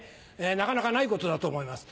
なかなかないことだと思います。